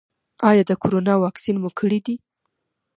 ایا د کرونا واکسین مو کړی دی؟